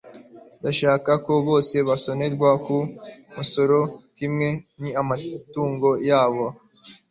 ndashaka ko bose basonerwa ku musoro kimwe n'amatungo yabo